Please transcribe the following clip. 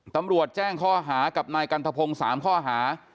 ตำรวจแจ้งข้อหากับนายกันทะพงศ์๓ข้อหา